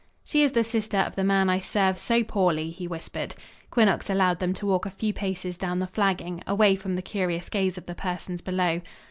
"She is the sister of the man I serve so poorly," he whispered. Quinnox allowed them to walk a few paces down the flagging, away from the curious gaze of the persons below.